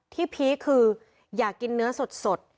พีคคืออยากกินเนื้อสด